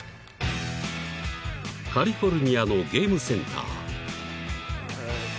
［カリフォルニアのゲームセンター］